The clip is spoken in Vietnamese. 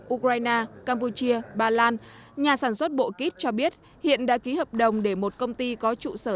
ukraine campuchia bà lan nhà sản xuất bộ kít cho biết hiện đã ký hợp đồng để một công ty có trụ sở